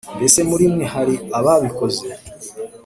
Mbese muri mwe hari ababikoze